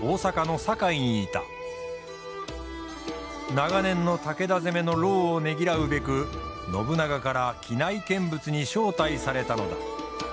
長年の武田攻めの労をねぎらうべく信長から畿内見物に招待されたのだ。